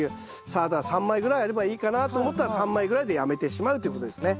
サラダは３枚ぐらいあればいいかなと思ったら３枚ぐらいでやめてしまうということですね。